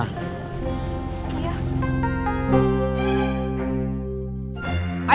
makanya kamu jangan jauh jauh dari papa